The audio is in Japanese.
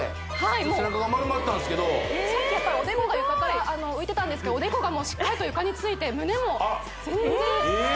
背中が丸まってたんですけどおでこが床から浮いてたんですけどおでこがしっかりと床について胸も全然えっ！？